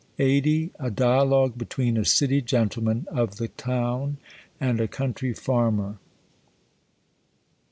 289 A DlALOffUfi BETWEEN A ClTY GeNTLEMAN OF THE Tox, AND A Country Farmer.